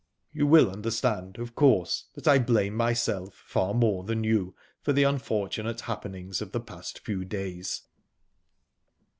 You will understand, of course, that I blame myself far more than you for the unfortunate happenings of the past few days.